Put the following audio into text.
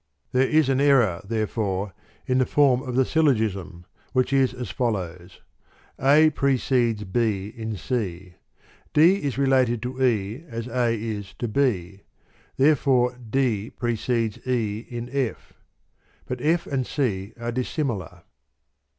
There is an error, therefore, in the form of the syllogism, which is as follows : A precedes B in C ; D is related to E as A is to B ; therefore D precedes E in F. But F and C are dissimilar.